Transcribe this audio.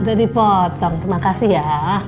udah dipotong terima kasih ya